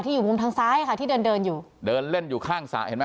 อยู่มุมทางซ้ายค่ะที่เดินเดินอยู่เดินเล่นอยู่ข้างสระเห็นไหม